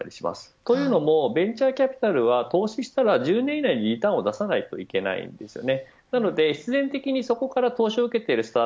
というのもベンチャーキャピタルは投資したら１０年以内にリターンを出さないといけないんですよね。